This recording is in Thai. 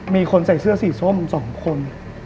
มีคนใส่เสื้อสีส้ม๒คน